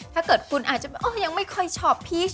ถ้าเกิดคุณอาจจะยังไม่ค่อยชอบพีช